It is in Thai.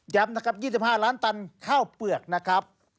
นะครับ๒๕ล้านตันข้าวเปลือกนะครับ